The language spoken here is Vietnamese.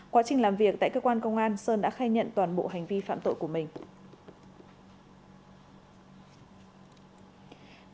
quá trình làm việc tại cơ quan công an sơn đã khai nhận toàn bộ hành vi phạm tội của mình